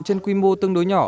trên quy mô tương đối nhỏ